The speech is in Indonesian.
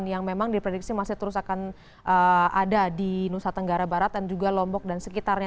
yang memang diprediksi masih terus akan ada di nusa tenggara barat dan juga lombok dan sekitarnya